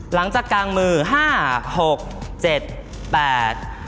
หลังจากกลางมือ